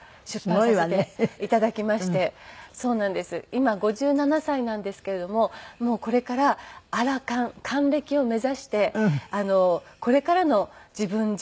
今５７歳なんですけれどももうこれからアラ還還暦を目指してこれからの自分自身。